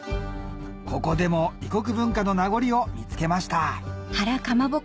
ここでも異国文化の名残を見つけました